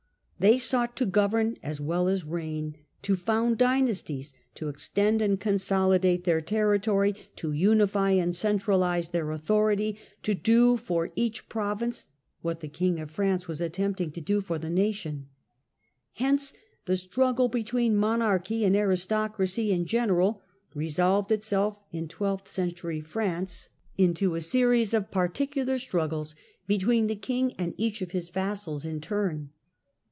They sought to govern as well as reign, to found dynasties, to extend and consolidate their territory, to unify and centralize their authority, to do for each province what the king of France was attempting to do for the nation. Hence the struggle between Monarchy and Aristocracy in general resolved itself, in twelfth century France, into a 97 98 THE CENTRAL PERIOD OF THE MIDDLE AGE series of particular struggles between the king and each of his great vassals in turn.